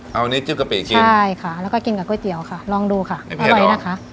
เอาอันนี้จุ๊บกะปิกินใช่ค่ะแล้วก็กินกับก๋วยเตี๋ยวค่ะลองดูค่ะเอาไว้นะคะ